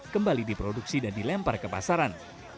kembali diproduksi dan dilempar ke pasaran